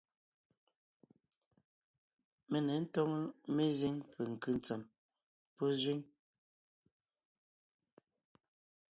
Mé ně ńtóŋ mezíŋ penkʉ́ ntsèm pɔ́ zẅíŋ.